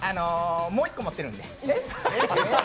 もう１個持ってるんで。